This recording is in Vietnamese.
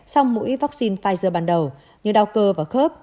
song mũi vaccine pfizer ban đầu như đau cơ và khớp